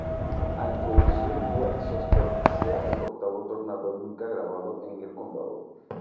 A introducir Westchester, sea el octavo tornado nunca grabado en el condado.